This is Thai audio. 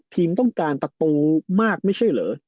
ทีมต้องการตักตัวตัวตัวมากไม่ใช่เหรอ